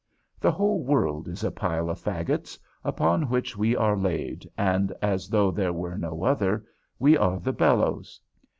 The whole world is a pile of fagots, upon which we are laid, and (as though there were no other) we are the bellows.